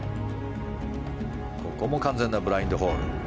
ここも完全なブラインドホール。